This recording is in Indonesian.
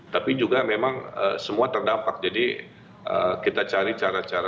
tapi juga memang semua terdampak jadi kita cari cara cara